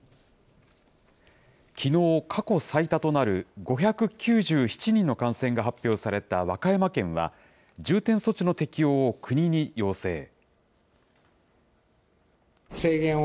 きのう、過去最多となる５９７人の感染が発表された和歌山県は、重点措置の適用を国に要請。